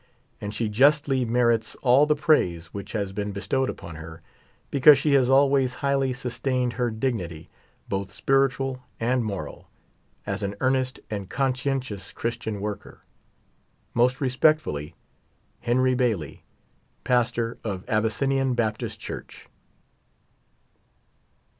And she justly merits all the praise which has been bestowed upon her, because she has always highly sustained her dignity, both spiritual and moral, as an earnest and con scientious Christian worker. Most respectfully, HENRY BAILEY, Pastor of Abyssinian Baptist Church.